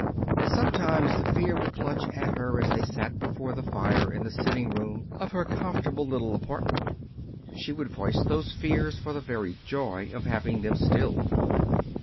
Sometimes the fear would clutch her as they sat before the fire in the sitting room of her comfortable little apartment. She would voice those fears for the very joy of having them stilled.